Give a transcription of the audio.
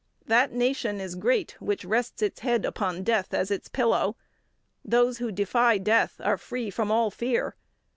That nation is great which rests its head upon death as its pillow. Those who defy death are free from all fear.